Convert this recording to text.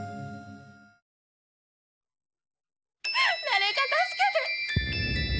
誰か助けて！